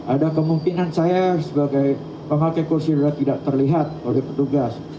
ada kemungkinan saya sebagai pemakai kursi roda tidak terlihat oleh petugas